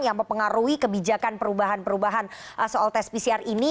yang mempengaruhi kebijakan perubahan perubahan soal tes pcr ini